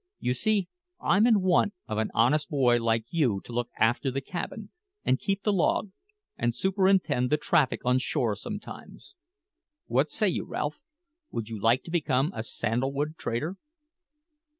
You see, I'm in want of an honest boy like you to look after the cabin, and keep the log, and superintend the traffic on shore sometimes. What say you, Ralph: would you like to become a sandal wood trader?"